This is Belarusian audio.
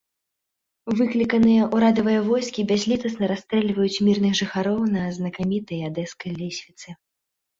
Выкліканыя ўрадавыя войскі бязлітасна расстрэльваюць мірных жыхароў на знакамітай адэскай лесвіцы.